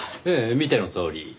ええ見てのとおり。